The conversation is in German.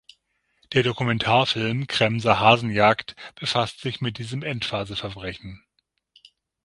Der Dokumentarfilm "Kremser Hasenjagd" befasst sich mit diesem Endphaseverbrechen.